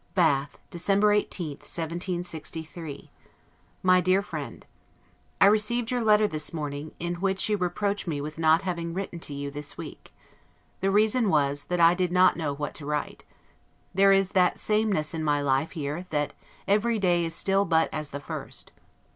LETTER CCLXIV BATH, December 18, 1763 MY DEAR FRIEND: I received your letter this morning, in which you reproach me with not having written to you this week. The reason was, that I did not know what to write. There is that sameness in my life here, that EVERY DAY IS STILL BUT AS THE FIRST.